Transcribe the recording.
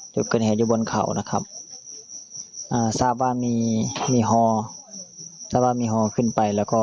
จุดเกิดเหตุอยู่บนเขานะครับอ่าทราบว่ามีมีฮอทราบว่ามีฮอขึ้นไปแล้วก็